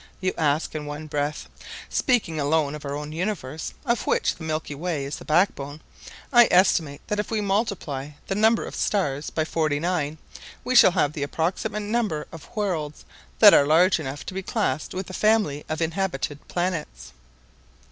you ask in one breath. Speaking alone of our own universe, of which the Milky Way is the backbone, I estimate that if we multiply the number of stars by forty nine, we shall have the approximate number of worlds that are large enough to be classed with the family of inhabited planets.